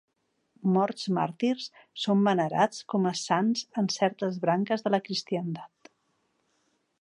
Morts màrtirs, són venerats com a sants en certes branques de la cristiandat.